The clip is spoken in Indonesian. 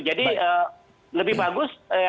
jadi lebih bagus